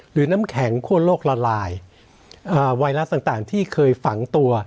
น้ำแข็งคั่วโลกละลายไวรัสต่างที่เคยฝังตัว